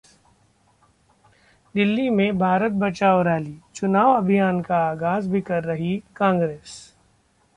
दिल्ली में भारत बचाओ रैलीः चुनाव अभियान का आगाज भी कर रही कांग्रेस